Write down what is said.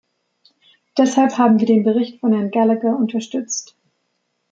Deshalb haben wir den Bericht von Herrn Gallagher unterstützt.